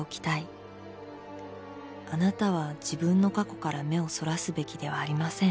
「あなたは自分の過去から目をそらすべきではありません」